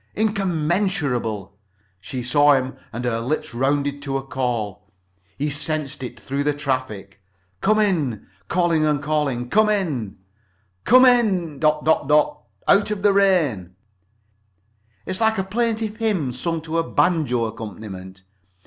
Incommensurable. She saw him and her lips rounded to a call. He sensed it through the traffic. Come in. Calling and calling. Come in. "Come in.... "Out of the rain." It is like a plaintive hymn sung to a banjo accompaniment.